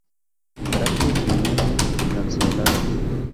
Brácteas linear-lanceoladas.